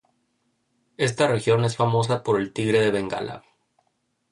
Esta región es famosa por el tigre de Bengala.